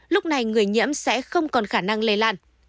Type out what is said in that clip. lúc này người nhiễm sẽ không còn khả năng lây lan